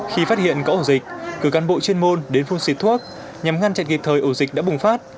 khi phát hiện có ổ dịch cử cán bộ chuyên môn đến phun xịt thuốc nhằm ngăn chặn kịp thời ổ dịch đã bùng phát